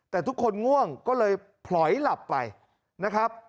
แต่ทุกคนง่วงก็เลยผลอยหลับไปนะครับ